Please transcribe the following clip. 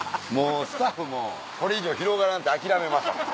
スタッフもこれ以上広がらんって諦めましたね